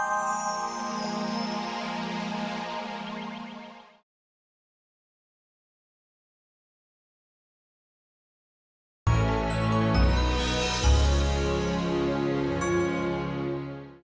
aku akan mencari penyelesaianmu